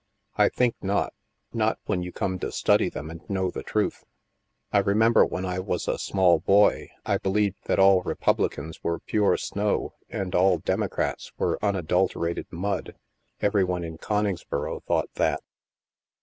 " I think not. Not when you come to study them and know the truth. I remember when I was a small boy I believed that all Republicans were pure snow and all Democrats were unadulterated mud. Every one in Coningsboro thought that.